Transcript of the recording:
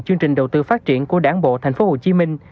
chương trình đầu tư phát triển của đảng bộ tp hcm